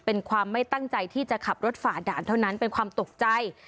เป็นความไม่ตั้งใจที่จะขับรถฝ่าด่านเท่านั้นเป็นความตกใจ